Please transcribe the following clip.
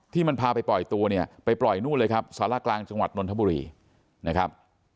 ที่มันพาไปปล่อยตัวเนี่ยไปปล่อยนู่นเลยครับสารกลางจังหวัดนนทบุรีนะครับ